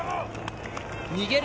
逃げる